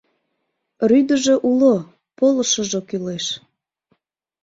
РӰДЫЖӦ УЛО, ПОЛЫШЫЖО КӰЛЕШ